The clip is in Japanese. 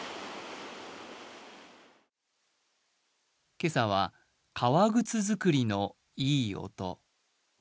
今朝は、革靴作りのいい音。